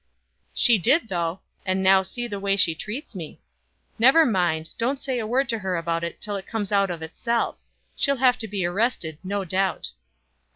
"She did though; and now see the way she treats me! Never mind. Don't say a word to her about it till it comes out of itself. She'll have to be arrested, no doubt."